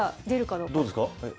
どうですか？